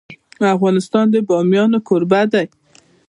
افغانستان د بامیان کوربه دی.